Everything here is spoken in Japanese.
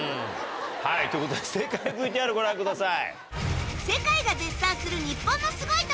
はいということで正解ＶＴＲご覧ください。